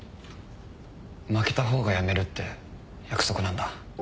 負けた方が辞めるって約束なんだ。